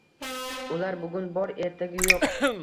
Ular bugun bor, ertaga yo‘q.